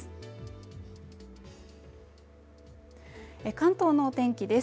関東の天気です。